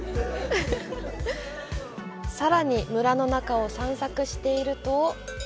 さらに村の中を散策していると。